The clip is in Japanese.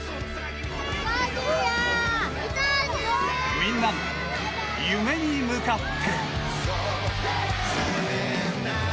みんなの夢に向かって。